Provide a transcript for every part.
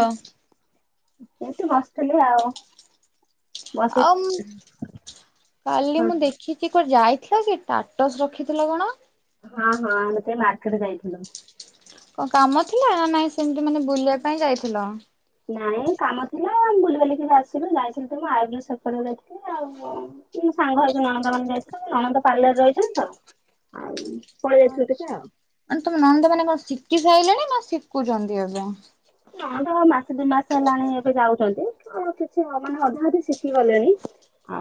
ହଁ। ଏଇଠି ବସଥିଲି ଆଉ। ବସି ଆଉମ୍ କାଲି ମୁଁ ଦେଖିଚି କୁଆଡେ ଯାଇ ଥିଲା ସେ ଟାଟସ୍ ରଖିଥିଲା କଣ? ହଁ ହଁ ଆମେ ଟିକେ ମାର୍କେଟ ଯାଇଥିଲୁ। କଁ କାମ ଥିଲା ନା ନାଇଁ ସେମିତି ମାନେ ବୁଲିବା ପାଇଁ ଯାଇଥିଲ? ନାଇଁ କାମ ଥିଲା ଆମ୍ ବୁଲି ବାଲିିକିରି ଆସିଲୁ ଯାଇଥିଲୁ ତ ଟିକେ ଆଇବ୍ରୋ ସେପ୍ କରିବାକୁ ଯାଇଥିଲି ଆଉ। ସାଙ୍ଗ ହେଇକି ନଣନ୍ଦ ମାନେ ଯାଇଥିଲୁ। ମୋ ନଣନ୍ଦ ପାର୍ଲରରେ ରହିଚନ୍ତି ତ। ଆଉ ପଳେଇ ଯାଇଥିବେ ଆଚ୍ଛା କେତେ ଆଉ। ମାନେ ତମ ନଣନ୍ଦ ମାନେ କଣ ଶିକି ସାଇଲେଣି ନା ଶିକୁଚନ୍ତି ଏବେ? ନଣନ୍ଦ ବା ମାସେ ଦି ମାସ ହେଲାଣି ଏବେ ଯାଉଚନ୍ତି ତ କିଛି ମାନେ ଅଧା ଅଧେ ଶିଖିଗଲେଣି।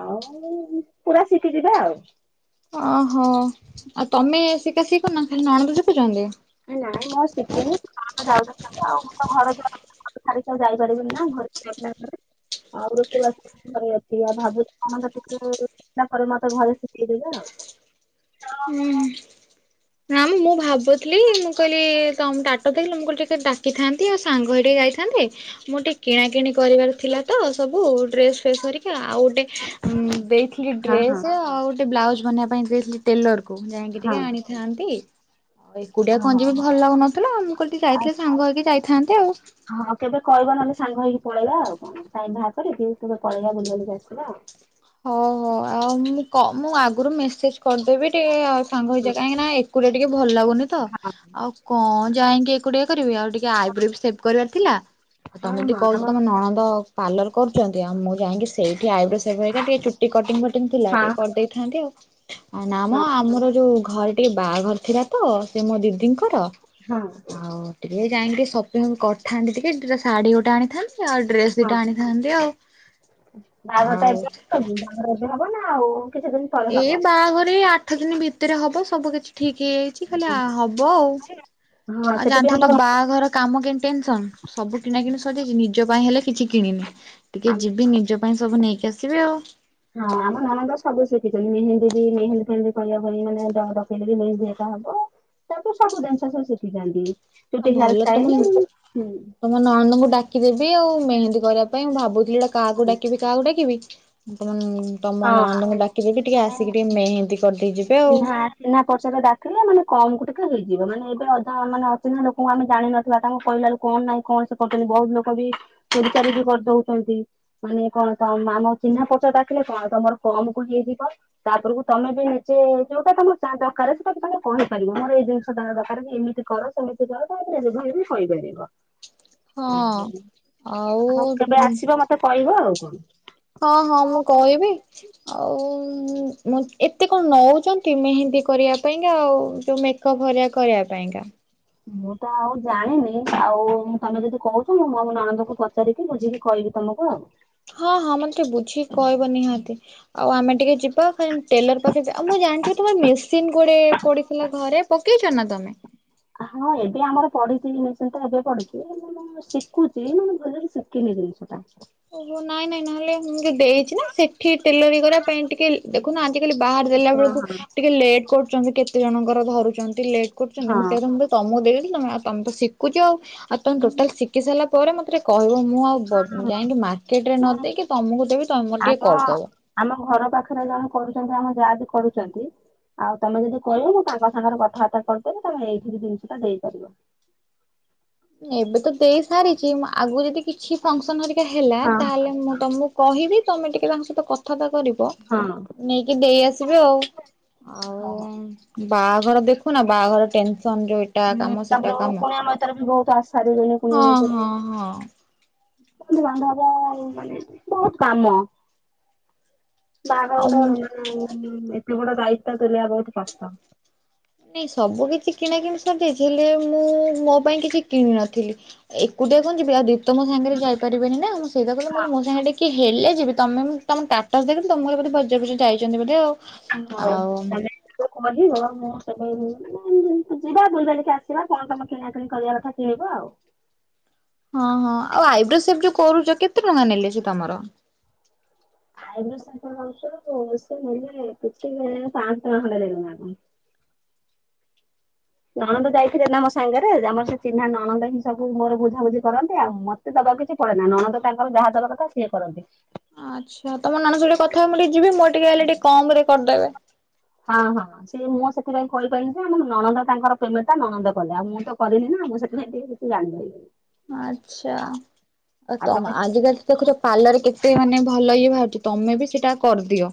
ଆଉ ପୁରା ଶିଖି ଯିବା ଆଉ। ଓହୋ ଆଉ ତମେ ଶିକା ଶିକି କରୁନ ଖାଲି ନଣନ୍ଦ ଶିଖୁଚନ୍ତି। ଏ ନାଇଁ ମୁଁ ଆଉ ଶିକିନି ନଣନ୍ଦ ଯାଉଚନ୍ତି ତ ଆଉ କଁ ଘରଦ୍ଵାର ଆକୁ ଛାଡିକି ଆଉ ଯାଇପାରିବିନି ନା ଘରେ [unintelligible] ଆଉ ରୋଷେଇ ବାସ ଘରେ ଅଛି ଆଉ ଭାବୁ ନଣନ୍ଦ ଶିଖିଗଲା ପରେ ମାସରେ ମାସ ଘରେ ଶିଖେଇଦେବେ ଆଉ। ହୁଁ ନା। ମୁଁ ଭାବୁଥିଲି ମୁଁ କହିଲି ତମ ଟାଟସ୍ ଦେଖିଥିଲ ମୁଁ କହିଲି ଟିକେ ଡାକିଥାନ୍ ଟିକେ ସାଙ୍ଗ ହେଇ ଟିକେ ଯାଇଥାନ୍ତେ ମୁଁ ଟିକେ କିଣାକିଣି କରିବାର ଥିଲା ତ ସବୁ ଡ୍ରେସ୍ ଫେସ୍ ହରିକା ଆଉ ଗୋଟେ ଉମ୍ ଦେଇଥିଲି ହଁ ହଁ ଡ୍ରେସ୍ ଆଉ ଆଉ ଗୋଟେ ବ୍ଲାଉଜ ବନେଇବା ପାଇଁ ଦେଇଥିଲି ଟେଲର୍ କୁ ଯାଇକି ଟିକେ ହଁ। ଆଣିଥାନ୍ତି। ଏକୁଟିଆ କଁ ହଁ ଯିବି ଯେ ଭଲ ଲାଗୁନଥିଲା ମୁଁ କହିଲି ଟିକେ ଆଉ ଯାଇଥିଲେ ସାଙ୍ଗ ହେଇକି ଯାଇଥାନ୍ତେ ଆଉ। ହଁ କେବେ କହିବ ନହେନେ ସାଙ୍ଗ ହେଇକି ପଳେଇବା ଆଉ କଣ ଟାଇମ୍ ବାହାର କରିକି କେବେ ପଳେଇବା ବୁଲିବାଲିକି ଆସିବା ଆଉ। ହଉ ହଉ ଆଉ ମୁଁ କ ମୁଁ ଆଗରୁ ମେସେଜ କରିଦେବି ଟିକେ ଆଉ ସାଙ୍ଗ ହେଇଯା କାହିଁକି ନା ଏକୁଟିଆ ଟିକେ ଭଲ ଲାଗୁନି ତ ଆଉ କଣ? ଯାଇଁକି ଏକୁଟିଆ କରିବି ଆଉ ଟିକେ ଆଇବ୍ରୋ ବି ସେଭ୍ କରିବାର ଥିଲା ଆଉ ହଁ ତମେ ଯଦି ହଁ ଆମ କହୁଛ ତମ ନଣନ୍ଦ ପାର୍ଲର କରୁଚନ୍ତି ଆଉ ମୁଁ ଯାଇଁକି ସେଇଠି ଆଇବ୍ରୋ ସେଭ୍ ଘରିକା ଟିକେ ଚୁଟି କଟିଙ୍ଗ ଫଟିଂ ଥିଲା ହଁ ଟିକେ କରିଦେଇଥାନ୍ତି ଆଉ। ନାମ ହଁ ଆମର ଯୋଉ ଘରେ ଟିକେ ବାଆଘର ଥିଲା ତ ସେ ମୋ ଦିଦିଙ୍କର। ହଁ। ଇଏ ଯାଇଁକି ଟିକେ ସପିଙ୍ଗ କରଥାନ୍ତି ଟିକେ ଡ଼୍ରେ ଶାଢ଼ୀ ଗୋଟେ ଆଣିଥାନ୍ତି। ଆଉ ଡ୍ରେସ ହଁ। ଦିଟା ଆଣିଥାନ୍ତି ଆଉ। ଆଉ ତୋ ବିଭାଘର ଏବେ ହବ ନା ଆଉ କିଛି ଦିନ ପରେ ଏ ହବ? ବାଆଘର ଏଇ ଆଠ ଦିନି ଭିତରେ ହବ ସବୁ କିଛି। ଠିକ୍ ହେଇଯାଇଚି ଖାଲି ଆ ହଁ। ହବ ଆଉ। ହଁ ଆଉ ସେଠି ବି ଜାଣିଥିବେ ତ ଆମର ବାହାଘର କାମ କେମତି ଟେନସନ ସବୁ କିଣା କିଣି ସରିଯାଇଛି, ନିଜ ପାଇଁ ହେଲେ କିଛି କିଣିନି, ଟିକେ ଯିବି ନିଜ ପାଇଁ ସବୁ ନେଇକି ଆସିବି ଆଉ ହଁ ଆମ ନାନନ୍ଦ ସବୁ ଶିଖିଛନ୍ତି, [unintelligible] ମେୀ ବି ମେହେନ୍ଦୀ ଫେନ୍ଦି କହିବା ଭ ମାନେଡଖେଇ ମେନ୍ଦି [unintelligible] ହଁପା ତାପରେ ସବୁ ଜିନିଷ ସିଏ ଶିଖିଛନ୍ତି। ଆଉ ଚୁଟି ହେୟାର ଭଲ ତମ ଷ୍ଟାଇଲ ହୁଁ। ତମ ନଣନ୍ଦଙ୍କୁ ଡାକି ଆଉ ମେହେନ୍ଦୀ କରିବା ପାଇଁ, ମୁଁ ଭାବୁଥିଲି କାହାକୁ ହଁ ଡାକିବି, କାହାକୁ ଡାକିବି, ତ ତମ ନଣନ୍ଦଙ୍କୁ ଡାକିଦେଲେ, ଟିକେ ମାନେ ଆସିକି ଟିକେ ମେହନ୍ଦୀ କରିଦେଇ ଯିବେ ଆଉ ଚିହ୍ନା ଚିହ୍ନା ପରିଚୟରେ ଡାକିଲେ ମାନେ କମକୁ ହେଇଯିବ ମାନେ, ଏବେ ଅଧା ମାନେ ଅଚିହାଁ ଲୋକଙ୍କୁ ଆମେ ଜାଣିନଥିବା, ତାଙ୍କ କହିଲଲୁ କଣ ନାଇଁ କଣ ସେ କରୁଛନ୍ତି, ବହୁତ ଲୋକ ଚୋରି ଚାରି ବି କରି ଦଉଛନ୍ତି, ମାନେ କଣ ତ ଆମ ଚିହ୍ନା ପରିଚ ଡାକିଲେ କଣ? ତମର କମ କୁ ହେଇଯିବ, ତାପରକୁ ତମେ ବି ନିଜେ ଯୋଉଟା ତମ ଦରକାର ସେଟା ବି ତମେ କହିପାରିବ। ତମର ଏଇ ଜିନିଷ ତାଙ୍କ ଦରକାର କି ଏମିତି କର, ସେମିତି କର, ତାହ ନିଜ ଭଳି ବି କହିପାରିବ। ହଁ ହଉ କେବେ ଆଉ ଆସିବ? ମତେ କହିବ ଆଉ। କଣ। ହଁ ହଁ ମୁଁ କହିବି। ଆଉ ଏତେ କଣ ନଉଛନ୍ତି ମେହେନ୍ଦୀ କରିବା ପାଇଁକା ଆଉ ଯୋଉ ଏକ ଭରିଆ କରିବା ପାଇଁକା। ମୁଁ ତ ଆଉ ଜାଣିନି ଆଉ ତମେ ଯଦି କହୁଛ ମୁଁ ମୋ ନଣନ୍ଦଙ୍କୁ ପଚାରିକି ବୁଝିକି କହିବି ତମକୁ ଆଉ ହଁ ହଁ, ମତେ ବୁଝିକି କହିବ ନିହାତି। ଆଉ ଆମେ ଟିକେ ଯିବା ଖାଲି ଟେଲର ପାଖରେ ଯିବା, ମୁଁ ଜାଣିଛ ତମର ମେସିନ ଗୋଟେ ପଡିଥିଲା ଘରେ, ପକେଇ ଚୁନା ତମେ ହଁ, ଏବେ ଆମର ପଢିଛି ନିଶ୍ଚିନ୍ତ ଭାବେ ପଢୁଛି, ମୁଁ ଶିଖୁଛି ନା ମୁଁ ଭଲରେ ଶିଖିନି। ସେ ଜିନିଷଟା ଓହୋ ନାଇଁ ନାଇଁ, ନହେଲେ ମୁଁ ଟିକେ ଦେଇଛି ନା ସେଠି ଟେଲରି କରିବା ପାଇଁ ଟିକେ ଦେଖୁନ ଆଜି କାଲି ବାହାର ଦେଲା ବେଳକୁ, ହଁ ଟିକେ ଲେଟ୍ କରୁଛନ୍ତି, କେତେ ଜଣଙ୍କର ଧରୁଛନ୍ତି ଲେଟ କରୁଚନ୍ତି, ହଁ ମୁଁ ତମକୁ ଦେ [unintelligible] ତମ ଆ ତମେ ତ ସିକୁଚ ଆଉ, ଆଉ ତମେ ହଁ ମାନେ ଟୋଟାଲ ସିକି ସାରିଲା ପରେ ମତେ ଟେ କହିବ ମୁଁ ଆଉ କଣ ହବ ଯାଇକି ମାର୍କେଟ ରେ ନା ନ ଦେଇକି ତମକୁ ଦେବି ତମେ ମୋର ଟିକେ ଆମ କରିଦବ। ଆମ ଘର ପାଖରେ ଜଣେ କରୁଛନ୍ତି, ଆମ ଯା ବି କରୁଛନ୍ତି। ଆଉ ତମେ ଯଦି କହିବ ମୁଁ ତାଙ୍କ ସାଙ୍ଗରେ କଥାବାର୍ତ୍ତା କରିଦେବି, ତମେ ଏଇଠି ଜିନିଷ ଟା ଦେଇପାରିବ। [inaudible] ଏବେ ତ ଦେଇ ସାରିଛି, ଆଗକୁ ଯଦି କିଛି ଫଙ୍କସନ ହେରିକା ହେଲା, ହଁ ତାହେଲେ ମୁଁ ତମକୁ କ କହିବି, ତମେ ଟିକେ ତାଙ୍କ ସହିତ କ କଥା କରିବ ହଁ। ନେଇକି ଦେଇ ଆସିବେ ଆଉ, ହଉ ଆଉ ବାହାଘର ଦେଖୁ ନା ବାହାଘର ଟେନ୍ ହୁଁ ତାପରେ କୁଣିଆ ମଇତରେ ବି ବହୁତ ଆସି ସାରିବେଣି କୁଣିଆ ହଁ ମଇତରେ ହଁ ହଁ [unintelligible] ବହୁତ କାମ। ବାହାଘର ଆଉ ଗୋଟେ ଏତେ ବଡ ଦାୟିତ୍ଵ ତୁଲେଇବା ବହୁତ କଷ୍ଟ। ନାଇଁ ସବୁ କିଛି କିଣା କିି ସରିଯାଇଛି ହେଲେ ମୁଁ ମୋ ପାଇଁ କିଛି କିଣ ନଥିଲି, ଏକୁ ଟିଆ କଣ ଯିବି, ଆ ଦୀପ୍ ତ ମୋ ସାଙ୍ଗରେ ଯାଇପାରିବେନି ନା, ମୁଁ ସେଇ କହୁଥିଲି ମୋ ସାଙ୍ଗରେ ଟିକେ କିଏ ହେଲେ ଯିବି, ତମେ ମୁଁ ତମ ଟାଟାସ୍ ଦେଖିଥିଲି, ତ ମୁଁ ଭାବିଲି ବଜାର ଫଜାର ଯାଇଛନ୍ତି ବୋଧେ ଆଉ ହଉ ଆଉ ତମେ ଯେତେବେଳେ କହିବ ମୁ ତ ଯିବା ବୁଲି ବାଲିକି ଆସିବା, କଣ ତମେ କିଣା କିିଣି କରିବା କଥା କିଣିବ ଆଉ। [inaudible] ହଁ ହଁ ଆଉ ଆଇବ୍ରୋସେପ୍ ଯୋଉ କରୁଛ, କେତେ ଟଙ୍କା ନେଲେ ସେ ତମର? ଆଇର୍ବସେବ୍ [unintelligible] ସେନେଲେ କେତେ ପାସହ ଟଙ୍କା ଖଣ୍ଡେ ନେଲେନା କଣ? [inaudible] ନଣନ୍ଦ ଯାଇଥିଲେ ନା ମୋ ସାଙ୍ଗରେ, ଆମର ସେ ଚିହ୍ନା ନଣନ୍ଦ ହିଁ ସବୁ ମୋର ବୁଝାବୁଝି କରନ୍ତି ଆଉ ମତେ ତ ଆ କିଛି ପଡେନା, ନଣନ୍ଦ ତାଙ୍କର ଯାହା ଦବା କଥା ସିଏ କରନ୍ତି। ଆଛା, ତମ ନଣନ୍ଦ ସହିତ କଥା ହେବ ମୁ ଟିକେ ଯିବି, ମୁଁ ଟିକେ ହେଲେ ଟିକେ କମ ରେ କରିଦେବେ। ହଁ ହଁ ମୁଁ ସେଥିପାଇଁ କହିପାରିଲି ଯେ ଆମଁ ନଣନ୍ଦ ତାଙ୍କର ପେମେଣ୍ଟ ଟା ନଣନ୍ଦ କଲେ, ଆଉ ମୁଁ ତ କରିନି ନା ମୁଁ ସେ ଟିକେ କିଛି ଜାଣିିପାଇଲିନି। ଆଚ୍ଛା ଆ ଆଉ ତମ ତମେ ଆଜିକାଲି ତ ଦେଖୁଛ ପାର୍ଲର କେତେ ମାନେ ଭଲ ଇ ଭାବାରୁଛି ତମେ ବି ସେଇଟା କରିଦିଅ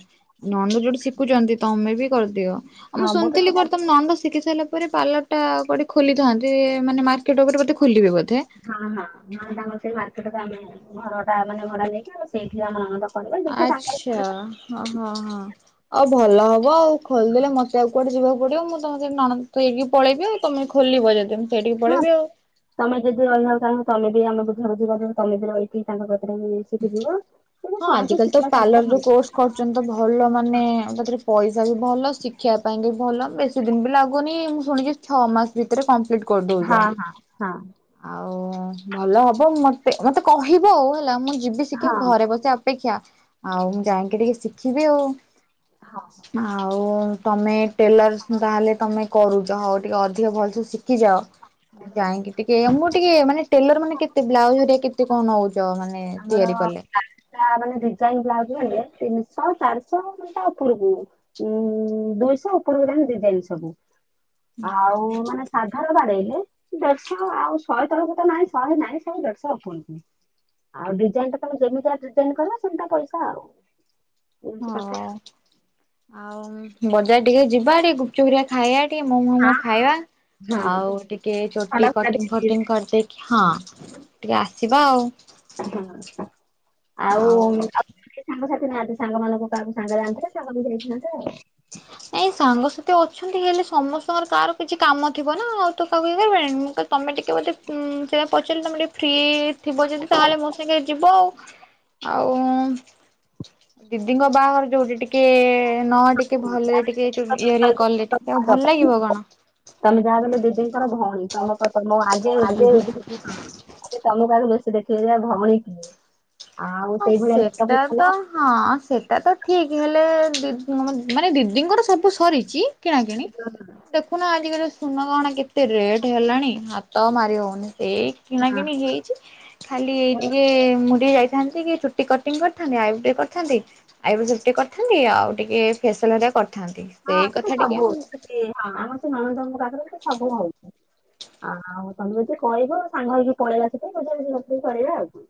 ନଣନ୍ଦ ଯୋଉଟ ଶିଖୁଛନ୍ତି ତମେ ବି କରିଦିଅ। ଆଉ ମୁଁ ହଁ ତ ଶୁଣିଥିଲି ସେଟା କୁଆଡ଼େ ନଣନ୍ଦ ଶିଖି ସାରିଲା ପରେ ପାର୍ଲର ଟା କୋଡି ଖୋଲିଥାନ୍ତି ମାନେ ମାର୍କେଟ ଉପରେ ଖୋଲିବେ ବୋଧେ। ନ ତାଙ୍କର ସେଇ ମାର୍କେଟରେ ଆମେ ଘର ଟା ମାନେ ଭଡା ନେଇକି ଆଉ ସେଇଠି ଆମ ନଣନ୍ଦ କରିବେ ଦେଖିବା ତାଙ୍କର ଆଛା ଏପଟ ସେପଟ ହ ହଁ ହଁ ଆଉ ଭଲ ହ ହବ ଆଉ ଖୋଲିଦେଲେ ମତେଆଉ କୁଆଡେ ଯିବାକୁ ପଡିବ ମୁଁ ତମେ ନଣନ୍ଦ ଥଇକି ପଳେଇବି ଆଉ ତମେ ଖୋଲିବ ଯଦି ସେଇଠିକି ହଁ ପଳେଇବି ଆଉ। ତମେ ଯଦି ରହିବାକୁ ଚାହୁଚ ତମେ ବି ଆମେ ବୁଝାବୁଝି କର ତମେ ବି ରହିକି ତାଙ୍କ ସିକି ଯିବ। ହଁ ଆଜିିକାଲି ତ ପାର୍ଲର ଯ କୋର୍ସ କରୁଛନ୍ତି ତ ଭଲ ମାନେ ତାହରେ ପଇସା ବି ଭଲ ଶିଖଷିବା ପାଇଁ କି ଭଲ ବେଶୀ ଦିନ ବି ଲାଗୁନି ମୁଁ ଶୁଣିଛି ଛଅ ମାସ ଭିତରେ କମ୍ପ୍ଲିଟ୍ ହଁ କଟଉଛନ୍ତି ହଁ ଆଉ ଓ ଭଲ ହବ ମତେ ମତେ କହିବ ଆଉ ହେଲା ମୁଁ ଯିବି ଶିଖିବା ହଁ। ଘରେ ବସିିବା ଅପେକ୍ଷା ଆଉ ମୁଁ ଯାଇକି ଟିକେ ଶିଖିବି ଆଉ ହଁ। ଆଉ ତମେ ଟେଲର ତାହେଲେ ତମେ କରୁଛ ହଉ ଟିକେ ଅଧିକ ଭଲସ ଶିଖିଯାଅ ମୁଁ ଯାଇକି ଟିକେ ମୁଁ ଟିକେ ମାନେ ଟେଲର ମାନେ କେତେ ବ୍ଲାଉଜଆ କେତେ କଣ ହଉଛ ମାନେ ଆମର ତିଆରି କଲେ? ମାନେ ଡିଜାଇନ ବ୍ଲାଉଜ ନ ତିନିଶହ ଚାରିଶହ ତା ଉପରକୁ ଉଁ ଦୁଇଶହ ଉପରକୁ ଜଣି ଦି ଜଣିି ସବୁ ଆଉ ମାନେ ସା ର ବାଡେଇଲେ ଦେଢଶହ ଆଉ ଶହେ ତରଶ ତ ନାଇଁ ଶହେ ନାଇଁ ସବୁ ଦେଢଶହ କୁ ଆଉ ଡିଜାଇନ ଟା ତମେ ଯେମିତିଟ ଡିଜାଇନ କ ସେମିଟା ପଇସା ଆଉ ଏମିତି କଥା ହଁ ଆଉ ବଜାର ଟିକେ ଯିବା ଟିକେ ଗୁପଚପୁରିଆ ଖାଇବା ଟ ଟିକେ ମୋମ ହଁ ମମ ଖାଇବା ହଁ ଆଉ ଟିକେ ଭଲ ଚୋଟି କଥା କଟିଂ ଦେଖିଛି। ଫଟିଂ କରିଦେଇକି ହଁ ଟିକେ ଆସିବା ଆଉ ହଁ ଆଉ ସାଙ୍ଗସଥି ନାହାନ୍ତିେ ସାଙ୍ଗମାନଙ୍କୁ କାହାକୁ ସାଙ୍ଗରେ ଯାଆନ୍ତିେ ସାଙ୍ଗ ବି ଯାଇଥାନ୍ତି ଏାଇ ସାଙ୍ଗସଥି ମୋତେ ଅଛନ୍ତି ହେଲେ ସମସ୍ତଙ୍କର କାହାର କିଛି କାମ ଥିବ ନା ଆଉ ତ କାହାକୁଇିବିଁ ତମେ ଟିକେ ବୋଧେ ସେ ପଚାରିଲି ତମେ ଟିକେ ଫ୍ରି ଥିବ ଯଦି ତାହେଲେ ମୋ ସାଙ୍ଗେ ଯିବ ଆଉ ଆଉ ଦିଦିଙ୍କ ବାହାଘର ଯୋଉଠି ଟିକେ ନହ ଟେ ଟିକେ ଭଲରେ ଟିକେ ଇରିଆ କଲେ ଟିକେ ଆଉ ଭଲ ଲାଗିବ କଣ ତମେ ଯାହା ବଲେ ଦିଦିଙ୍କର ଭଉଣୀ ତମ ତମ ଆଗେ ଦିଦି ଆଗେ ତମ ବ ଦେଖି ଭମଣ କି ହଁ ସେଟା ତ ହଁ ସେଟା ତ ଠିକ ହେଲେ ମାନେ ଦିଦିଙ୍କର ସବୁ ସରିଛି କିଣାକିଣି ଦେଖୁନ ଆଜିକାଲି ଶନ କଣ କେତେ ରେଟ୍ ହେଲାଣି ହାତ ମାରି ହଉନି ଏଇ କିଣା କିିଣି ହେଇଛି ଖାଲି ଏଇ ହଁ ଟିକେ ମୁଡି ଯାଇ ଚୁଟି କଟି କରିଥାନ୍ତି ଆ କରିଥାନ୍ତି ଆଇୁଟି କରିଥାନ୍ତି ଆଉ ଟିକେ ଫେସିଆଲ ହଁ ସେଠି ସବୁ ହଉଛି ହଁ ଆମର ସେ ନନନ୍ଦଙ୍କ ପାଖରେ ସେ ସବୁ ହଉଛି ଆଉ ତମେ ଯଦି କହିବ ସାଙ୍ଗ ହେଇକି ପଳେଇବା ସେଥିପାଇଁ ବଝାର କରିବା ଆଉ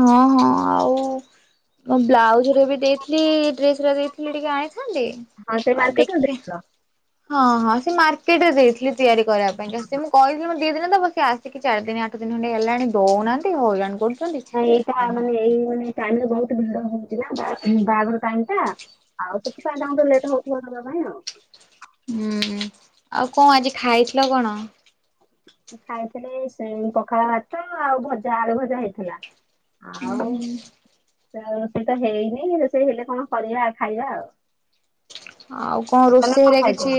ହଁ ହଁ ଆଉ ବ୍ଲାଉଜ ବି ଦେଇଥିଲି ଡ୍ରେସ ଦେଇଥିଲି ଟିକେ ଆଣିଥାନ୍ତି ହଁ ସେଇ ଆଉ ରେ ଦେଖି ଦେଖ ହଁ ହଁ ସେ ମାର୍କେଟ ରେ ଦେଇଥିଲି ତିଆରି କରିବା ପାଇଁ ସେ ମୁଁ କହିଥିଲି ମତେ ଦି ଦିନ ତ ବସି ଆସିକି ଚାରି ଦିନ ଆଠ ଦିନ ଖଣ୍ଡେ ହେଲାଣି ଦଉନାହାନ୍ତି ହଉଜଣ କରୁଛନ୍ତି ତା ମାନେ ଏଇ ମାନେ ଟାଇମରେ ବହୁତ ଭିଡ ହଉଛି ନା ବାହାଘର ଟାଇମ ଟା ଆଉ ସେଥିପାଇଁ ତାଙ୍କୁ ଲେଟ ହଉଥିଲା ଦେବା ପାଇଁ ଆଉ ହୁଁ ଆଉ କଣ ଆଜି ଖାଇଥିଲ କଣ ଖାଇଥିଲେ ସେ ପଖାଳ ମାଛ ଆଉ ଭଜା ଆଳୁ ଭଜା ହେଇଥିଲା ହୁଁ ଆଉ ସେଇ ତ ହେଇନି ର ସେ ହେଲେ କଣ କରିବା ଖାଇବା ଆଉ ଆଉ କଣ ତମେ ରୋଷେଇ କଣ ହେରେ କିଛି ଖାଇଥିଲ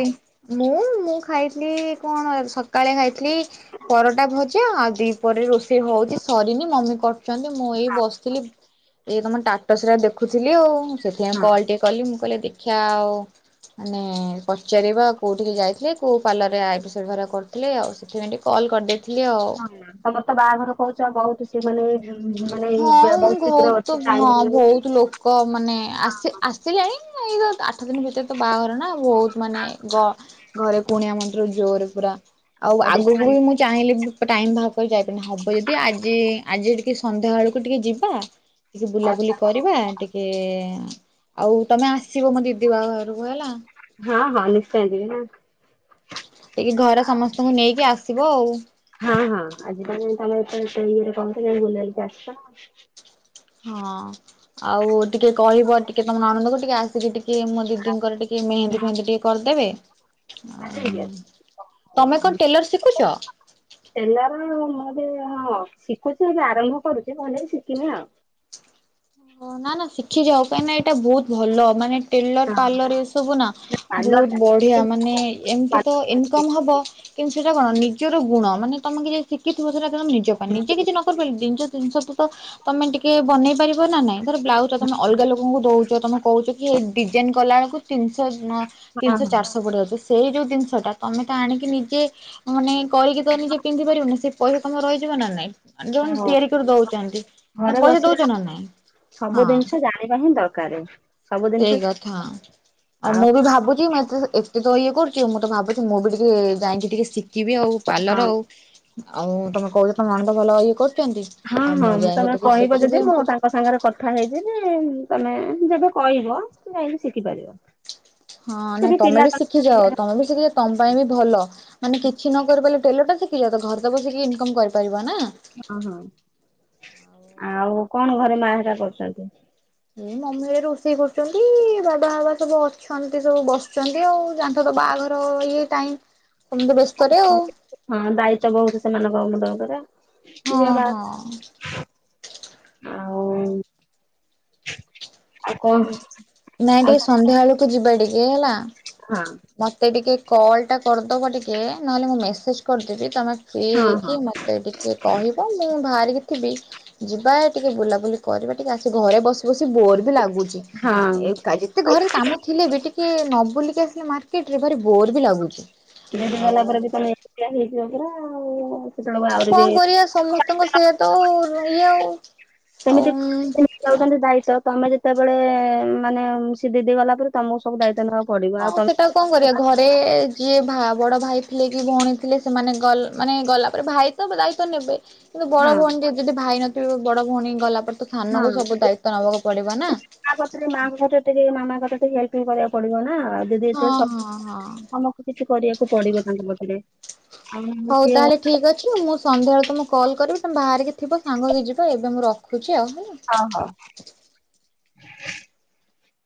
ମୁଁ ମୁଁ ଖାଇଥିଲି କଣ ସକାଳେ ଖାଇଥିଲି ପରଟା ଭଜା ଆଉ ଦିପ ରୋଷେଇ ହଉଛି ସରିନି ମମି କ ଛନ୍ତି ମୁଁ ଏଇ ବସିଥିଲି ଏଇ ତମ ଟାଟସା ଦେଖୁଥିଲି ଆଉ ହଁ ସେଥିପାଇଁ କଲ ଟିକେ କଲି ମୁଁ କହିଲେ ଦେଖିବା ଆଉ ମାନେ ପଚାରିବା କୋଉଠିକେ ଯାଇଥିଲେ କୋଉ ପାର୍ଲର ରେ ଆଇଷରା କରିଥିଲେ ଆଉ ସେଥି େ କଲ କରିଡେ ହଁ ତମର ତ ବାହାଘର କହୁଛ ଆଉ ବହୁତ ସେି ମାନେ ମାନେ ଏଇ ବେ- ହଁ ଶୀଘ୍ର ବହୁତ ଅଛି ହଁ ବହୁତ ଲୋକ ମାନେ ଆସି ଆସିଲାଣି ଏଇ ଆଠ ଦିନ ଭିତରେ ତ ବାହାଘର ନା ବହୁତ ମାନେ ଘରେ କୁଣିଆ ମନ୍ଦିର ଜୋରେ ପୁରା ଆଉ ଆଗକୁ ବି ମୁଁ ଚାହିଁଲେ ଟାଇମ ବାହାର କରି ଯାଇପାରୁନି ହବ ଯଦି ଆଜି ଆଜି ଟିକେ ସନ୍ଧ୍ୟା ବେଳକୁ ଟିକେ ଯିବା ଟିକେ ବୁଲାବୁଲି ଆଚ୍ଛା ହଉ। କରିବା ଟିକେ ଆଉ ତମେ ଆସିବ ମୋ ଦିଦି ବାହା ଘରକୁ ହେଲା ହଁ ହଁ ନିଶ୍ଚୟ ଯିବି ନା ଟିକି ଘରେ ସମସ୍ତଙ୍କୁ ନେଇକି ଆସିବ ଆଉ ହଁ ହଁ ଆଜି ତାହେଲେ ତମେ ଟ୍ରେନିଂରେ କହିଥିଲି ବୁଲିବାଲିକି ଆସଛ ହଁ ଆଉ ଟିକେ କହିବ ଟିକେ ତମର ନଣଦକୁ ଟିକେ ଆସିକି ଟିକେ ଟିକେ ମୋ ଦିଦିଙ୍କର ଟିକେ ମେହେନ୍ଦୀ ଫେହେନ୍ଦୀ ଟିକେ କରିଦେବେ ଆଉ ଓ ତମେ କଣ ଟେଲର ଶିଖୁଛ? ଏଲାର ମେ ହଁ ଶିଖୁଛି ଏବେ ଆରମ୍ଭ କରୁଛି ଭଲେ ଶିଖିନି ଆଉ ଓ ନା ନା ଶିଖିଯାଅ କାହିଁକିନା ଏଇଟା ବହୁତ ଭଲ ମାନେ ଟେଲର ପାର୍ଲର ଏ ସବୁ ନା ପାର୍ଲର ବହୁତ ଟା ବଢିଆ ଶିଖିନି, ମାନେ ଏମିତି ତ ଇନକମ୍ ପାର୍ଲର ହବ କିନ୍ତୁ ସେଇଟା କଣ ନିଜର ଗୁଣ ମାନେ ତମେ କିଏ ଶିଖିଥିବ। ସେଇଟା ତ ମୁଁ ନିଜ ପାଇଁ ନିଜେ କିଛି ନ କରିପାରିଲେ, ଜିନିଷକୁତ ତମେ ଟିକେ ବନେଇ ପାରିବ ନାଇଁ ଧର ବ୍ଲାଉଜ୍ ଟା ତମେ ଅଲଗା ଲୋକଙ୍କୁ ଦଉଛ ତୁମେ କହୁଛ କି ଡିଜାଇନ୍ କଲାବେଳକୁ ତିନିଶହ ତିନିଶହ ହଁ ହଁ ଚାରଶହ ପଡିବ ସେଇ ଯୋଉ ଜିନିଷ ଟା ତମେ ତ ଆଣିକି ନିଜେ ମାନେ କରିକି ତ ନିଜେ ପିନ୍ଧି ପାରିବନି ସେ ପଇସା ତମେ ରହିଯିବ ନା ନାଇଁ ଯୋଉମାନେ ହଁ ତିଆରି କରି ଦଉଛନ୍ତି ଘରେ ତାଙ୍କୁ ପଇସା ବସିବା ଦଉଛ ନା ନାଇଁ ସବୁ ହଁ ଜିନିଷ ଜାଣିବା ହିଁ ଦରକାର ସବୁ ସେଇ ଜିନିଷ କଥା। ଆଉ ମୁଁ ବି ଭାବୁଛି ମେସିନ୍ ଏତେ ତ ଇଏ କରୁଛି ମୁଁ ତ ଭାବୁଛି ମୁଁ ବି ଟିକେ ଯାଇକି ଟିକେ ଶିଖିବି ଆଉ ହଁ ପାର୍ଲର ଆଉ ଆଉ ତମେ କହୁଛ ତମ ନଣଦ ଭଲ ଇଏ କରୁଛନ୍ତି ଆଉ ମୁଁ ଯାଇକି ଟିକେ ଶିଖିବି ଆଉ ତା ସାଙ୍ଗରେ କଥା ହେଇଯିବି ତମେ ଯେବେ କହିବ ତ ଯାଇକି ଶିଖି ପାରିବ। ହଁ ନାଇଁ ତମେ ବି ଶିଖିଯାଅ ତମେ ବି ଶିଖିଯାଅ ତମ ପାଇଁ ବି ଭଲ ମାନେ କିଛି ନ କରି ପାରଲେ ଟେଲରଟା ଶିଖି ଯାଆ ତ ଘରେ ତ ବସିକି ଇନକମ୍ କରିପାରିବ ନା ଓହୋ ଆଉ କଣ ଘରେ ମା ହେରିକା କରୁଛନ୍ତି। ହୁଁ ମମି ଏଇ ରୋଷେଇ କରୁଛନ୍ତି ବାବା ବାବା ସବୁ ଅଛନ୍ତି ସବୁ ବସଛନ୍ତି ଆଉ ଯାଠ ତ ବା ତାଘର ଇଏ ଟାଇଁ ହଁ ଦାୟିତ୍ଵ ବହୁତ ସେମାନଙ୍କ ମୁଣ୍ଡ ଉପରେ ଝିଅ ହଁ ହଁ ବାହା ହ ନାଇଁ ଟିକେ ସବୁ ସନ୍ଧ୍ୟା ବେଳକୁ ଯିବା ଟିକେ ହେଲା ହଁ ମତେ ଟିକେ କଲ୍ ଟା କରିଦବ ଟିକେ ନହେଲେ ମୁଁ ମେସେଜ କରିଦେବି ତମେ ଫ୍ରି ହଁ ହଁ ହେଇକି ମତେ ଟିକେ କହିବ ମୁଁ ବାହାରିକି, ଯିବି ଯିବା ଟିକେ ବୁଲାବୁଲି କରିବା ଟିକେ ଆସିକି ଘରେ ବସି ବସି ବୋର୍ ବି ଲାଗୁଛି ହଁ। ଯେତେ ଘରେ କାମ ଥିଲେ ବି ଟିକେ ନ ବୁଲିକି ଆସିଲେ ମାର୍କେଟରେ ବୋର ବି ଲାଗୁଛି ଆଉ ଆ ଆଉ କଣ କରିବା ସମସ୍ତଙ୍କ ସେଇଆ ତ ଇଏ ଆଉ ସେମିତି ଆଉ ଯାଉଛନ୍ତି ଭାଇ ତ ତମେ ଯେତେବେଳେ ମାନେ ସେ ଦିଦି ଗଲା ପରେ ତମକୁ ସବୁ ଦାୟିତ୍ବ ନେବାକୁ ପଡିବ ଆଉ ହଁ ତମେ ସେଟା କଣ କରିବା ଘରେ ଯିଏ ବା ବଡ଼ ଭାଇ ଥିଲେ କି ଭଉଣୀ ଥିଲେ ସେମାନେ ଗଲେ ମାନେ ଗଲା ପରେ ଭାଇ ତ ଦାୟିତ୍ୱ ନେବେ କିନ୍ତୁ ବଡ ହଁ ଭଉଣୀ ଟ ଯଦି ଭାଇ ନଥିବେ ବଡ ଭଉଣୀ ଗଲା ପରେ ତ ହଁ ସାନକୁ ସବୁ ମା, ଦାୟିତ୍ୱ ନବାକୁ ପଡିବ ନା। ଙ୍କ କତିରେ ମାମା କଥା ଟିକେ କରିବାକୁ ପଡିବ ନା ଆଉ ଯଦି ହଁ ଏଠ ହଁ ହଁ। ଆମକୁ କିଛି କରିବାକୁ ପଡିବ ତାଙ୍କ ପାଖରେ ହଉ ତାହେଲେ ଠିକ୍ ଅଛି ମୁଁ ସନ୍ଧ୍ୟାବେଳେ ତମକୁ କଲ କରିବି ତମେ ବାହାରକି ଥିବ ସାଙ୍ଗ ହେଇକି ଯିବା ଏବେ ମୁଁ ରଖୁଛି ଆଉ ହେଲା। ହଁ ହଁ